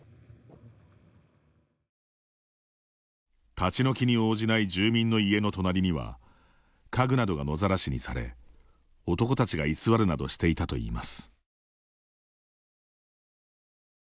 立ち退きに応じない住民の家の隣には家具などが野ざらしにされ男たちが居座るなどしていたといいます。